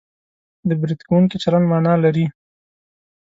د برید کوونکي چلند مانا لري